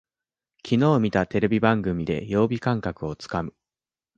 きのう見たテレビ番組で曜日感覚をつかむ